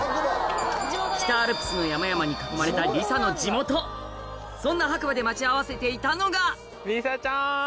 北アルプスの山々に囲まれたりさの地元そんな白馬で待ち合わせていたのがりさちゃん！